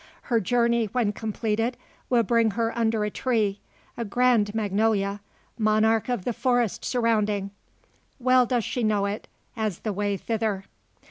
Her journey, when completed, will bring her under a tree a grand magnolia, monarch of the forest surrounding. Well does she know it, as the way thither.